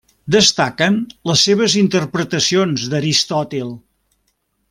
Destaquen les seves interpretacions d'Aristòtil.